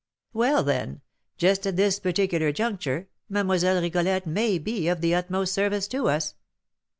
"Well, then, just at this particular juncture Mlle. Rigolette may be of the utmost service to us.